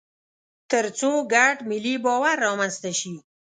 تر څو ګډ ملي باور رامنځته شي.